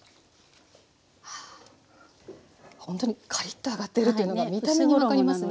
ほんとにカリッと揚がっているっていうのが見た目に分かりますね。